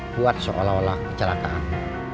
buat seolah olah kecelakaan